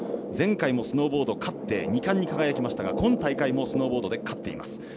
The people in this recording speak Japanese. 前回もスノーボードで勝って２冠でしたが今大会もスノーボードで勝っています。